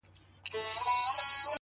خدايه ښه نـری بـاران پرې وكړې نن _